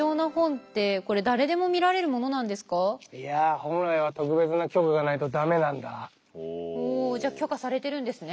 いやほうじゃあ許可されてるんですね。